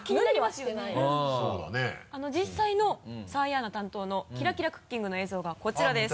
実際の澤井アナ担当の「キラキラクッキング」の映像がこちらです。